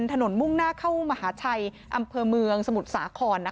มุ่งหน้าเข้ามหาชัยอำเภอเมืองสมุทรสาคร